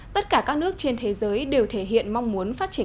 tất cả các nước trên thế giới đều thể hiện mong muốn phát triển